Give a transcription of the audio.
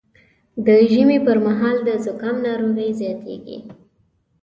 د ژمي پر مهال د زکام ناروغي زیاتېږي